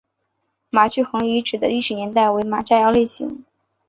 马聚垣遗址的历史年代为马家窑类型。